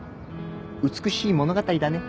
美しい物語だね。